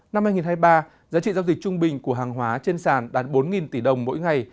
năm hai nghìn hai mươi ba giá trị giao dịch trung bình của hàng hóa trên sàn đạt bốn tỷ đồng mỗi ngày